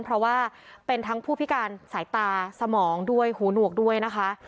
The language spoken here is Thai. เพราะว่าเป็นทั้งผู้พิการสายตาสมองด้วยหูหนวกด้วยนะคะ